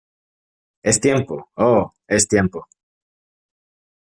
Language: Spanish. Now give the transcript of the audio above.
¡ Es tiempo! ¡ oh !¡ es tiempo !